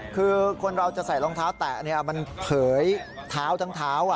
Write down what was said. คือคนเราจะใส่รองเท้าแตะเนี่ยอ่ะมันเผยเท้าทั้งเท้าอ่ะ